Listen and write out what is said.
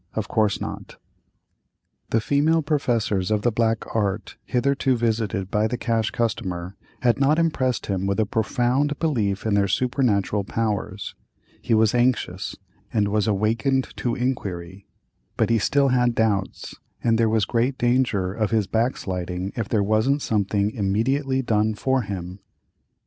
Of course not. The female professors of the black art hitherto visited by the Cash Customer, had not impressed him with a profound belief in their supernatural powers; he was "anxious," and was "awakened to inquiry," but he still had doubts, and there was great danger of his backsliding if there wasn't something immediately done for him.